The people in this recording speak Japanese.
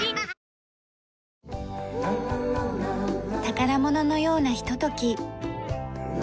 宝物のようなひととき。